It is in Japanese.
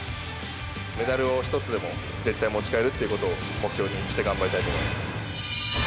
メダルを１つでも絶対に持ち帰ることを目標にして頑張りたいと思います。